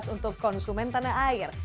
untuk konsumen tanah air